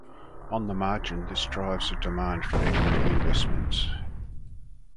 On the margin, this drives a demand for equity investments.